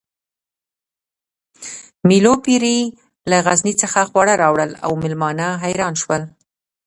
مېلو پېري له غزني څخه خواړه راوړل او مېلمانه حیران شول